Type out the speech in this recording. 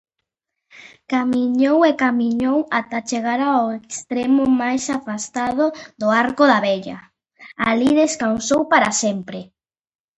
Cualquier plano, objeto de colección o desafíos terminados contarán para ambos jugadores.